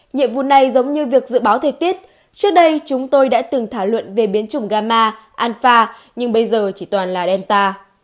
nhiệm vụ này giống như việc dự báo thời tiết trước đây chúng tôi đã từng thảo luận về biến chủng ghama anfa nhưng bây giờ chỉ toàn là delta